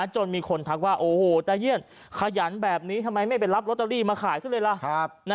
จนมีคนทักว่าโอ้โหตายเยี่ยนขยันแบบนี้ทำไมไม่ไปรับลอตเตอรี่มาขายซะเลยล่ะ